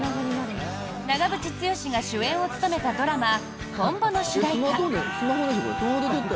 長渕剛が主演を務めたドラマ「とんぼ」の主題歌。